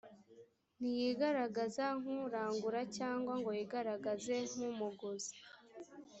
ntiyigaragaza nk urangura cyangwa ngo yigaragaze nk umuguza